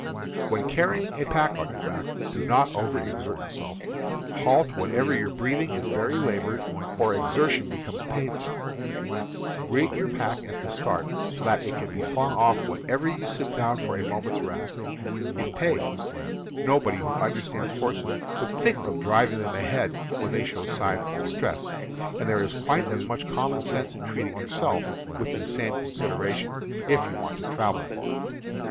When carrying a pack on your back, do not over exert yourself. Halt whenever your breathing is very ^ o, . labored or exertion becomes painful. Over Stram. t>. i . .1 ^. xi .•. Rig your pack at the start so that it can be flung off whenever you sit down for a moment's rest; it pays. Nobody who understands horses would think of driving them ahead when they show signs of distress, and there is quite as much common sense in treating yourself with the same consideration, if you want to travel far.